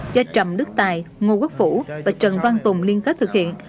do trầm đức tài ngô quốc phủ và trần văn tùng liên kết thực hiện